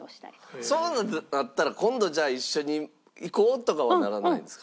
そういうのあったら「今度じゃあ一緒に行こう」とかはならないんですか？